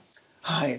はい。